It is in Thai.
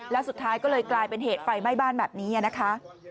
แล้วสุดท้ายก็เลยกลายเป็นเหตุไฟไหม้บ้านแบบนี้นะคะ